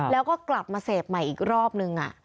แล้วก็กลับมาเสพใหม่อีกรอบนึง